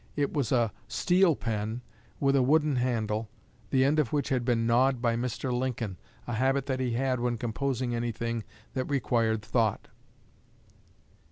It was a steel pen with a wooden handle, the end of which had been gnawed by Mr. Lincoln a habit that he had when composing anything that required thought."